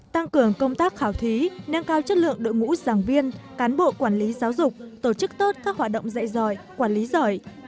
tăng cường công tác khảo thí nâng cao chất lượng đội ngũ giảng viên cán bộ quản lý giáo dục tổ chức tốt các hoạt động dạy giỏi quản lý giỏi